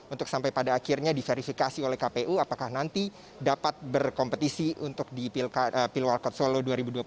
untuk sampai pada akhirnya diverifikasi oleh kpu apakah nanti dapat berkompetisi untuk di pilwalkot solo dua ribu dua puluh empat